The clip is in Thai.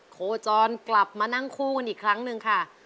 โคจรกลับมานั่งคู่กันอีกครั้งหนึ่งค่ะ